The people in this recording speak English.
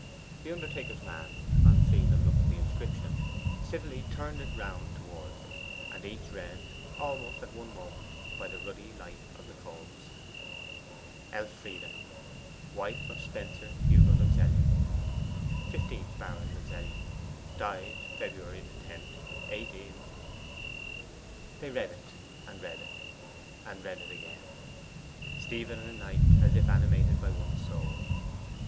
The undertaker's man, on seeing them look for the inscription, civilly turned it round towards them, and each read, almost at one moment, by the ruddy light of the coals: E L F R I D E, Wife of Spenser Hugo Luxellian, Fifteenth Baron Luxellian: Died February 10, 18 . They read it, and read it, and read it again Stephen and Knight as if animated by one soul.